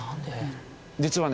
実はね